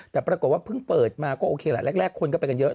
แต่ปรากฏว่าเพิ่งเปิดมาก็โอเคแหละแรกคนก็ไปกันเยอะ